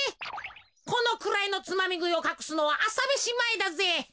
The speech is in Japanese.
このくらいのつまみぐいをかくすのはあさめしまえだぜ。